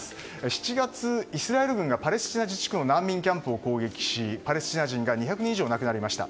７月、イスラエル軍がパレスチナ自治区の難民キャンプを攻撃し、パレスチナ人が２００人以上亡くなりました。